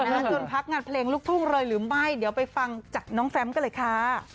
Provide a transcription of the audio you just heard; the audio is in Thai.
จนพักงานเพลงลูกทุ่งเลยหรือไม่เดี๋ยวไปฟังจากน้องแฟมกันเลยค่ะ